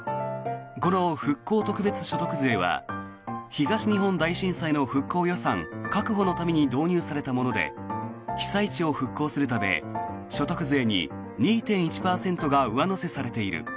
この復興特別所得税は東日本大震災の復興予算確保のために導入されたもので被災地を復興するため所得税に２．１％が上乗せされている。